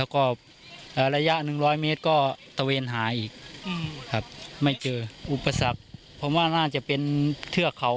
ก็ตะเวนหาอีกครับไม่เจออุปสรรคเพราะว่าน่าจะเป็นเทือกเขา